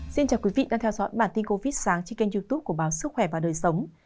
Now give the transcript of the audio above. xin chào quý vị đang theo dõi bản tin covid sáng trên kênh youtube của báo sức khỏe và đời sống